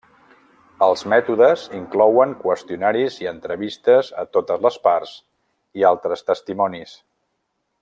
Els mètodes inclouen qüestionaris i entrevistes a totes les parts i altres testimonis.